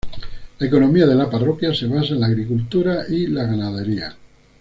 La economía de la parroquia se basa en la agricultura y la ganadería.